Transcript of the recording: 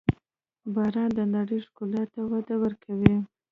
• باران د نړۍ ښکلا ته وده ورکوي.